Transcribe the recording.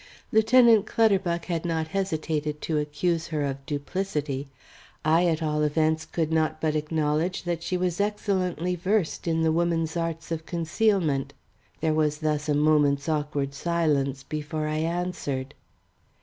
Lieutenant Clutterbuck had not hesitated to accuse her of duplicity; I at all events could not but acknowledge that she was excellently versed in the woman's arts of concealment. There was thus a moment's silence before I answered.